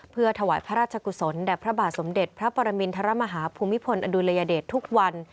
เพื่อถวายพระราชกุศลแด่พระบาทสมเด็จพระปรมินทรมาฮาภูมิพลอดุลยเดชทุกวัน